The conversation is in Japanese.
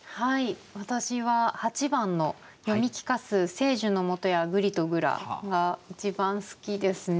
私は８番の「読み聞かす聖樹の下や『ぐりとぐら』」が一番好きですね。